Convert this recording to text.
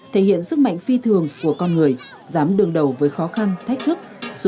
thể hiện sức mạnh phi thường của con người dám đương đầu với khó khăn thách thức